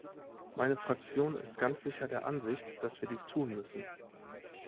Meine Fraktion ist ganz sicher der Ansicht, dass wir dies tun müssen.